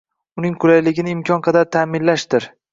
Uning qulayligini imkon qadar ta’minlashdir.